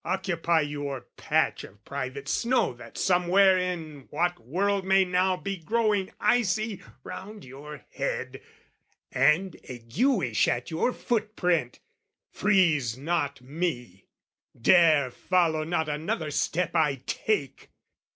Occupy your patch Of private snow that's somewhere in what world May now be growing icy round your head, And aguish at your foot print, freeze not me, Dare follow not another step I take.